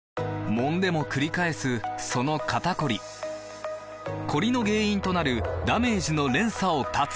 もんでもくり返すその肩こりコリの原因となるダメージの連鎖を断つ！